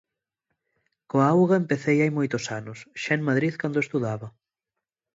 Coa auga empecei hai moitos anos, xa en Madrid cando estudaba.